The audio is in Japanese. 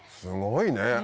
すごいね。